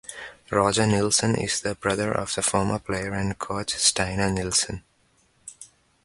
Roger Nilsen is the brother of the former player and coach Steinar Nilsen.